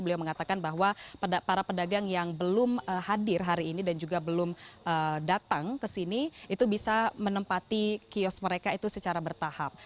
beliau mengatakan bahwa para pedagang yang belum hadir hari ini dan juga belum datang ke sini itu bisa menempati kios mereka itu secara bertahap